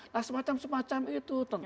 nah semacam semacam itu